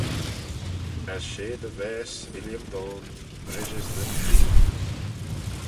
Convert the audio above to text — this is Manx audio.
As she dty Vaase, Illiam Dhone, vrishys nyn gree!